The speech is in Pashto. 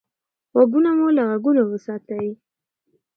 غوږونه مو له غږونو وساتئ.